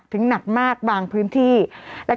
กรมป้องกันแล้วก็บรรเทาสาธารณภัยนะคะ